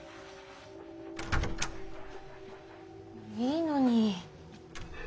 いいのに。